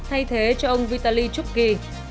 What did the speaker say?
thay thế cho ông vitaly chukki